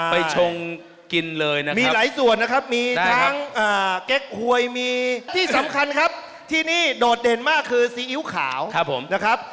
ชงกินเลยนะครับมีหลายส่วนนะครับมีทั้งเก๊กหวยมีที่สำคัญครับที่นี่โดดเด่นมากคือซีอิ๊วขาวครับผมนะครับ